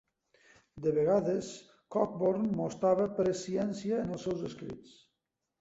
De vegades Cockburn mostrava presciència en els seus escrits.